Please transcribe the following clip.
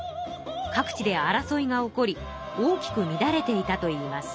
各地で争いが起こり大きく乱れていたといいます。